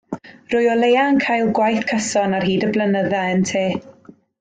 Rwy o leia yn cael gwaith cyson ar hyd y blynydde ynte.